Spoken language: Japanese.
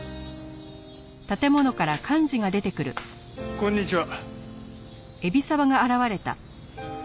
こんにちは。